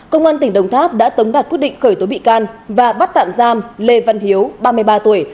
công an tỉnh đồng tháp đã tống đạt quyết định khởi tố bị can và bắt tạm giam lê văn hiếu ba mươi ba tuổi